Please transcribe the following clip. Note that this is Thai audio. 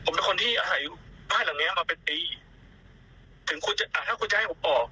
ผมเป็นคนที่อาศัยอยู่บ้านหลังเนี้ยมาเป็นปีถึงคุณจะอ่าถ้าคุณจะให้ผมออก